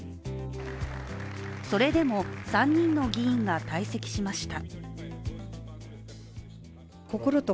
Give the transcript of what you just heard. それでも３人の議員が退席しました。